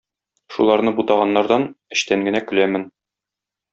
Шуларны бутаганнардан эчтән генә көләмен.